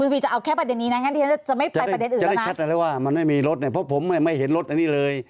เพราะผมไม่เห็นรถอันนี้เลย